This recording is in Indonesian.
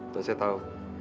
dan saya tahu